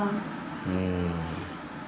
うん。